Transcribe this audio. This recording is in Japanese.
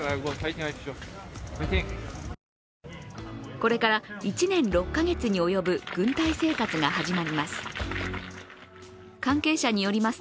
これから１年６か月に及ぶ軍隊生活が始まります。